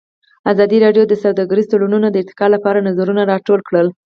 ازادي راډیو د سوداګریز تړونونه د ارتقا لپاره نظرونه راټول کړي.